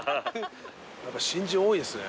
やっぱ真珠多いですね。